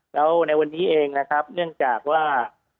แล้วในวันนี้เองนะครับเนื่องจากว่า